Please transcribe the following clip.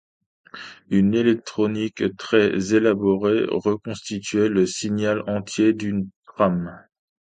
Une électronique très élaborée reconstituait le signal entier d'une trame.